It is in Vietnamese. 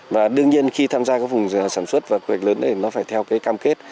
và đương nhiên khi tham gia các vùng sản xuất và quy hoạch lớn này nó phải theo cái cam kết